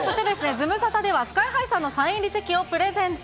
ズムサタでは、スカイハイさんのサイン入りチェキをプレゼント。